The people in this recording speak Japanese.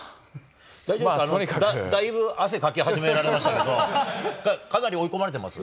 大丈夫ですか、だいぶ汗かき始められましたけど、かなり追い込まれてます？